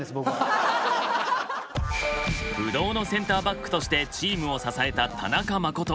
不動のセンターバックとしてチームを支えた田中誠。